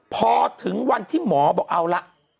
พอถึงวันที่หมอบอกเอาละ